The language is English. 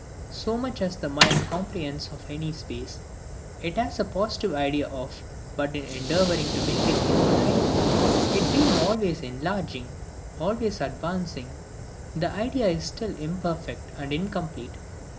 So much as the mind comprehends of any space, it has a positive idea of: but in endeavouring to make it infinite,—it being always enlarging, always advancing,—the idea is still imperfect and incomplete.